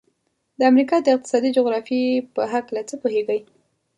د امریکا د اقتصادي جغرافیې په هلکه څه پوهیږئ؟